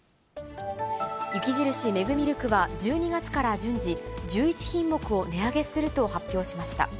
雪印メグミルクは１２月から順次、１１品目を値上げすると発表しました。